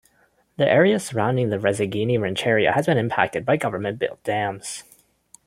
The area surrounding the Resighini Rancheria has been impacted by government-built dams.